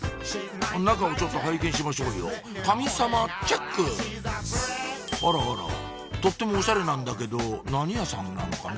中をちょっと拝見しましょうよ神様チェックあらあらとってもおしゃれなんだけど何屋さんなのかね